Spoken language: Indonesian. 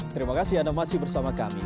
terima kasih anda masih bersama kami